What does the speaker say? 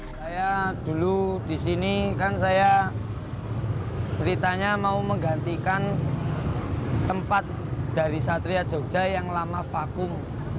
saya dulu di sini kan saya ceritanya mau menggantikan tempat dari satria jogja yang lama vakum